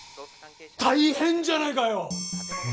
大変じゃないかよ！